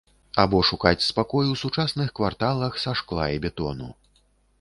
Або шукаць спакой у сучасных кварталах са шкла і бетону.